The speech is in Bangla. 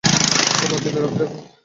একটা বাতিলের আপডেট আছে।